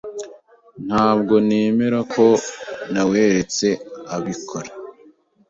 Ntabwo nemera ko naweretse abikora.